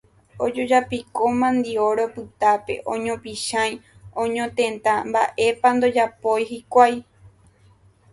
ojojapíko mandi'o ropytápe, oñopichãi, oñotenta, mba'épa ndojapói hikuái